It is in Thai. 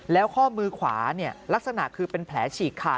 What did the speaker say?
แล้วข้อมือขวาลักษณะคือเป็นแผลฉีกขาด